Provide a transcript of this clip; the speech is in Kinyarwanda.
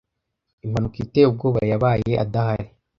Impanuka iteye ubwoba yabaye adahari.